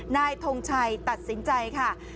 นายทงชัยตัดสินใจค่ะ